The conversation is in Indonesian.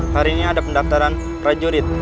hari ini ada pendaftaran prajurit